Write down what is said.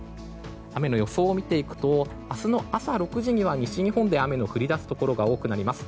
雨の予想を見ていくと明日の朝６時には西日本で雨の降り出すところが多くなります。